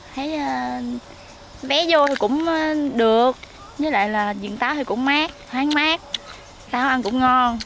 thấy bé vô thì cũng được với lại là vườn táo thì cũng mát thoáng mát táo ăn cũng ngon